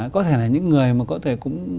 có thể là những người mà có thể cũng